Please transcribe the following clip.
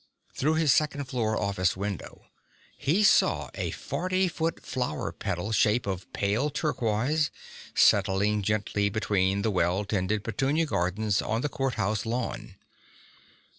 Through his second floor office window, he saw a forty foot flower petal shape of pale turquoise settling gently between the well tended petunia beds on the courthouse lawn.